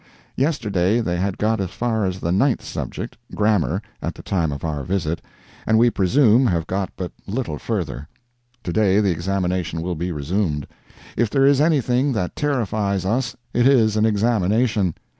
Yesterday they had got as far as the ninth subject, grammar, at the time of our visit, and we presume have got but little further. To day the examination will be resumed. If there is anything that terrifies us it is an examination.